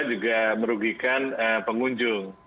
juga merugikan pengunjung